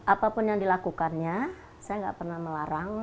apapun yang dilakukannya saya nggak pernah melarang